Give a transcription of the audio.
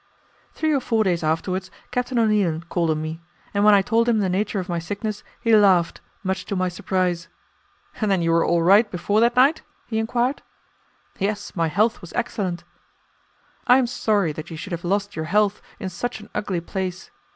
Three or four days afterwards Captain O'Neilan called on me, and when I told him the nature of my sickness he laughed, much to my surprise. "Then you were all right before that night?" he enquired. "Yes, my health was excellent." "I am sorry that you should have lost your health in such an ugly place.